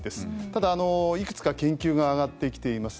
ただ、いくつか研究が上がってきています。